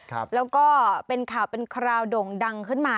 แล้วก็เป็นข่าวเป็นคราวโด่งดังขึ้นมา